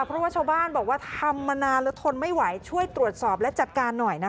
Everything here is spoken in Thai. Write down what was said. เพราะว่าชาวบ้านบอกว่าทำมานานแล้วทนไม่ไหวช่วยตรวจสอบและจัดการหน่อยนะคะ